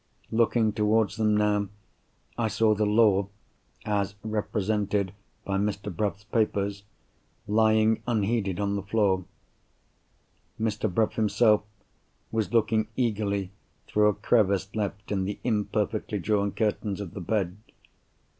Looking towards them now, I saw the Law (as represented by Mr. Bruff's papers) lying unheeded on the floor. Mr. Bruff himself was looking eagerly through a crevice left in the imperfectly drawn curtains of the bed.